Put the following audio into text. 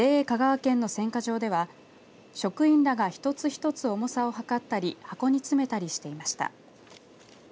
香川県の選果場では職員らが１つ１つ重さを量ったり箱に詰めたりしていました。